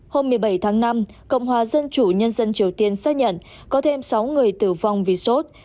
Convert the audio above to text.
hôm một mươi bảy tháng năm cộng hòa dân chủ nhân dân triều tiên xác nhận có thêm sáu người tử vong vì sốt